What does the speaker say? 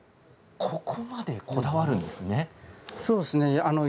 ここまで、こだわるんですね。